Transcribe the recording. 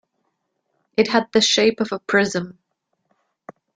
It had the shape of a Prism.